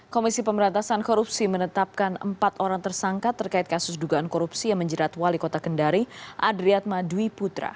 komisi pemberantasan korupsi menetapkan empat orang tersangka terkait kasus dugaan korupsi yang menjerat wali kota kendari adriatma dwi putra